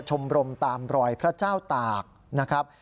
ชมรมตามรอยพระเจ้าตากนะครับ